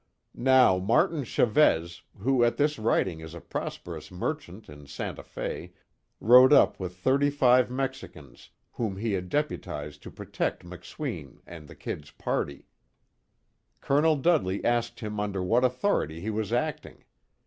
Now Martin Chavez, who at this writing is a prosperous merchant in Santa Fe, rode up with thirty five Mexicans, whom he had deputized to protect McSween and the "Kid's" party. Col. Dudley asked him under what authority he was acting.